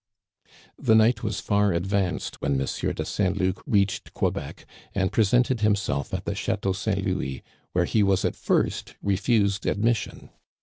The night was far advanced when M. de Saint Luc reached Quebec and presented himself at the Château St. Louis, where he was at first refused admission.